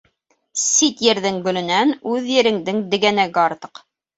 Сит ерҙең гөлөнән үҙ ереңдең дегәнәге артыҡ.